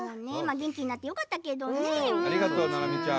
元気になってよかったですけどね。